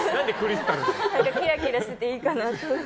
キラキラしてていいかなと思って。